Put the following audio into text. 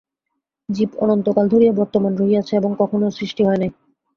জীব অনন্তকাল ধরিয়া বর্তমান রহিয়াছে এবং কখনও সৃষ্টি হয় নাই।